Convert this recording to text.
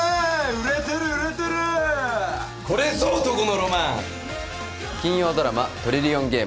売れてる売れてるこれぞ男のロマン金曜ドラマ「トリリオンゲーム」